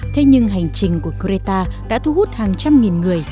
thế nhưng hành trình của greta đã thu hút hàng trăm nghìn người